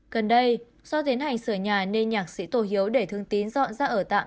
gần đây do tiến hành sửa nhà nên nhạc sĩ tổ hiếu để thương tín dọn ra ở tạm